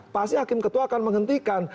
pasti hakim ketua akan menghentikan